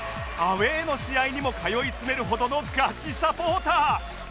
アウェイの試合にも通い詰めるほどのガチサポーター！